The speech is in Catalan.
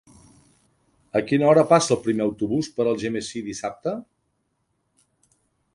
A quina hora passa el primer autobús per Algemesí dissabte?